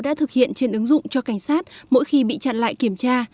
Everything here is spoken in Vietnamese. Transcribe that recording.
đã thực hiện trên ứng dụng cho cảnh sát mỗi khi bị chặn lại kiểm tra